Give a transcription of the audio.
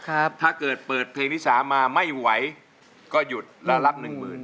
ถ้าเกิดเปิดเพลงที่สามมาไม่ไหวก็หยุดแล้วรับหนึ่งหมื่น